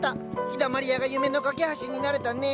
陽だまり屋が夢の懸け橋になれたね。